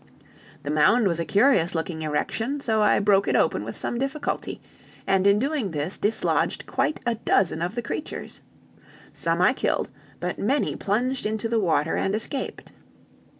"The mound was a curious looking erection, so I broke it open with some difficulty, and in doing this dislodged quite a dozen of the creatures. Some I killed, but many plunged into the water and escaped.